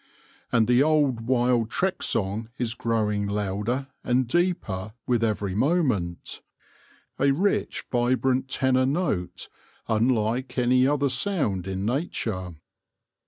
And the old wild trek song is growing louder and deeper with every moment, a rich vibrant tenor note unlike any other sound in nature.